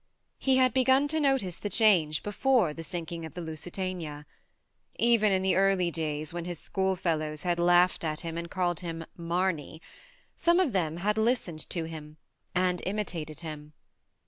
He had begun to notice the change before the sinking of the Lusitania. Even in the early days, when his school fellows had laughed at him and called him " Marny," some of them had listened to THE MARNE 47 him and imitated him.